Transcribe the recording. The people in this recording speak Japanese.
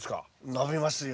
伸びますよ。